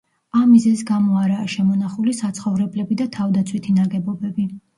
ამ მიზეზის გამო არაა შემონახული საცხოვრებლები და თავდაცვითი ნაგებობები.